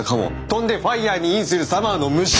飛んでファイアにインするサマーの虫！